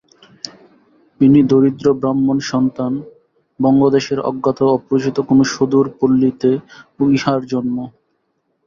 ইনি দরিদ্রব্রাহ্মণ-সন্তান, বঙ্গদেশের অজ্ঞাত অপরিচিত কোন সুদূর পল্লীতে ইঁহার জন্ম।